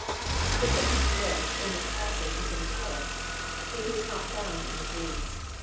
The second "with" in this passage is in italics. It is not found in the Greek.